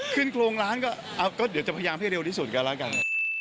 ขึ้นโครงร้านก็เดี๋ยวจะพยายามให้เร็วนิดสุดกลับแล้วกัน